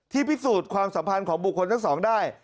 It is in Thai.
พิสูจน์ความสัมพันธ์ของบุคคลทั้งสองได้